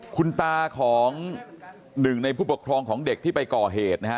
คุณตาของหนึ่งในผู้ปกครองของเด็กที่ไปก่อเหตุนะฮะ